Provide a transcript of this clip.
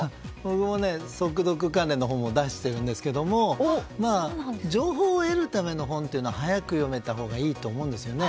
僕も速読関連の本も出しているんですけど情報を得るための本というのは速く読めたほうがいいと思うんですよね。